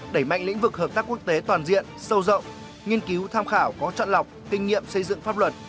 đẩy mạnh lĩnh vực hợp tác quốc tế toàn diện sâu rộng nghiên cứu tham khảo có trận lọc kinh nghiệm xây dựng pháp luật